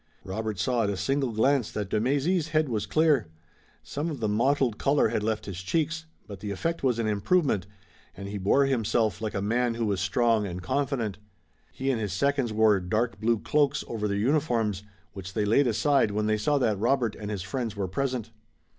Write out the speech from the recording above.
Robert saw at a single glance that de Mézy's head was clear. Some of the mottled color had left his cheeks, but the effect was an improvement, and he bore himself like a man who was strong and confident. He and his seconds wore dark blue cloaks over their uniforms, which they laid aside when they saw that Robert and his friends were present.